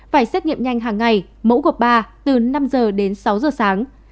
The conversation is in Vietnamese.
phải xét nghiệm nhanh hàng ngày mẫu gộp ba từ năm h đến sáu h sáng